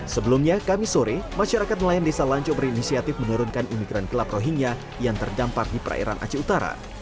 sebelumnya kami sore masyarakat nelayan desa lanco berinisiatif menurunkan imigran gelap rohingya yang terdampar di perairan aceh utara